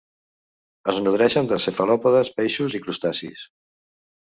Es nodreixen de cefalòpodes, peixos i crustacis.